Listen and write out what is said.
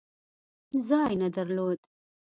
ځای نه درلود.